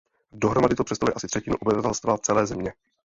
Dohromady to představuje asi třetinu obyvatelstva celé země.